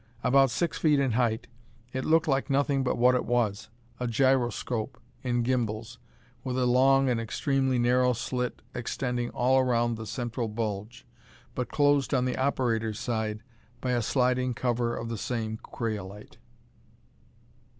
About six feet in height, it looked like nothing but what it was, a gyroscope in gimbals, with a long and extremely narrow slit extending all around the central bulge, but closed on the operator's side by a sliding cover of the same craolite.